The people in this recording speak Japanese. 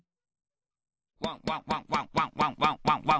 ワンワンワンワンワンワンワンワンワン。